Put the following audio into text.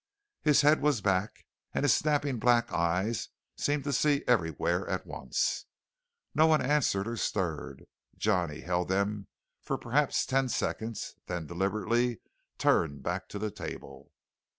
His head was back, and his snapping black eyes seemed to see everywhere at once. No one answered or stirred. Johnny held them for perhaps ten seconds, then deliberately turned back to the table.